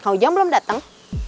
ujang belum datang